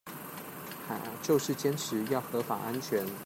就是堅持要合法安全